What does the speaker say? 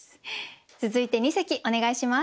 続いて二席お願いします。